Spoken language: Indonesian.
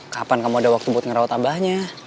kapan kamu ada waktu buat ngerawat tambahnya